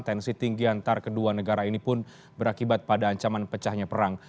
tensi tinggi antar kedua negara ini pun berakibat pada ancaman pecahnya perang